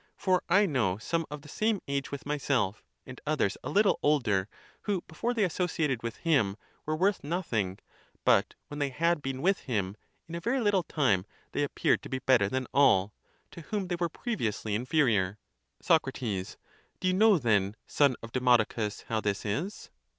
For I know some of the same age with myself, and (others) a little older, who, before they associated with him, were worth nothing; but when they had been with him, in a very little time they appeared to be better than all, to whom they were previously inferior. | Soc. Do you know then, son of Demodocus, how this is?